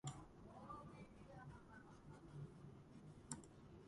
ნამიბეს პროვინციის სამხრეთით გადის სახელმწიფო საზღვარი ანგოლასა და ნამიბიას შორის.